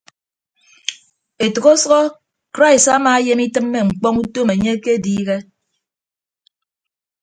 Etәk ọsʌhọ krais amaayem itịmme ñkpọñ utom enye akediihe.